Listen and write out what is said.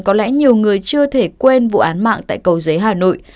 có lẽ nhiều người chưa thể quên vụ án mạng tại cầu giấy hà nội